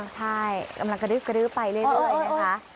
ใช่กำลังกระดื้อกระดื้อไปเรื่อยนะคะ